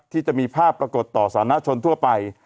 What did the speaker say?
ที่จะมีภาพปรากฏต่อสานชนทั่วไป